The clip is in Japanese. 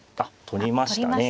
取りましたね。